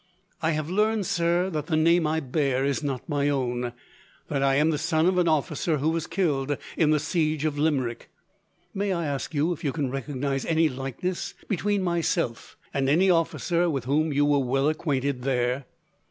"I have learned, sir, that the name I bear is not my own, that I am the son of an officer who was killed in the siege of Limerick. May I ask you if you can recognize any likeness between myself and any officer with whom you were well acquainted there?"